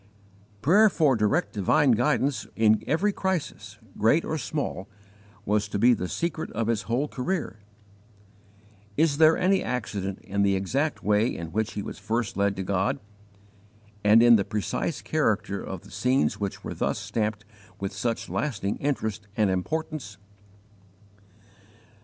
Prayer for direct divine guidance in every crisis, great or small, was to be the secret of his whole career. Is there any accident in the exact way in which he was first led to God, and in the precise character of the scenes which were thus stamped with such lasting interest and importance?